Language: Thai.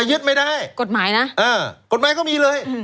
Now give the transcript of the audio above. ยึดไม่ได้กฎหมายนะกฎหมายก็มีเลย